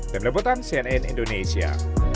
demi lebotan cnn indonesia